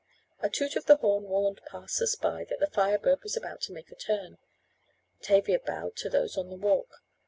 A toot of the horn warned passersby that the Fire Bird was about to make a turn. Tavia bowed to those on the walk.